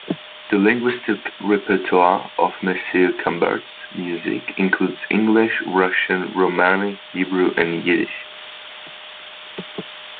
The linguistic repertoire of Monsieur Camembert's music includes English, Russian, Romani, Hebrew and Yiddish.